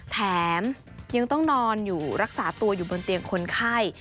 แถมยังต้องนอนอยู่รักษาตัวอยู่บนเตียงคนไข้